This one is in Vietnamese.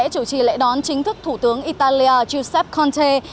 chủ trì lễ đón chính thức thủ tướng italia giuseppe conte